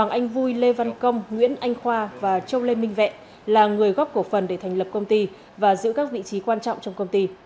anh vui lê văn công nguyễn anh khoa và châu lê minh vẹn là người góp cổ phần để thành lập công ty và giữ các vị trí quan trọng trong công ty